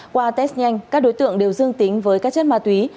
qua test nhanh các đối tượng đều dương tính với các chất ma túy